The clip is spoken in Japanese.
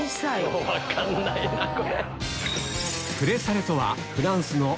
今日分かんないなこれ。